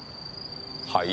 はい？